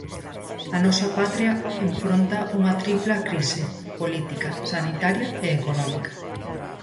A nosa patria enfronta unha tripla crise: política, sanitaria e económica.